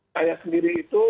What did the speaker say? saya sendiri itu